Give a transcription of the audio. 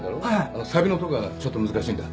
あのさびのとこがなちょっと難しいんだ。